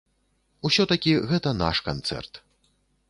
Усё-такі гэта наш канцэрт.